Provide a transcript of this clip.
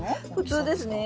普通ですね。